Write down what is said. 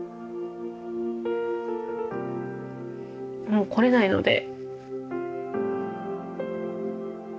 もう来られないので。